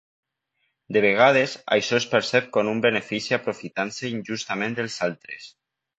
De vegades, això es percep com un benefici aprofitant-se injustament dels altres.